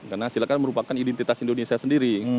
karena silat kan merupakan identitas indonesia sendiri